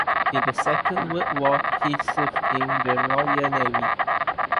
In the Second World War he served in the Royal Navy.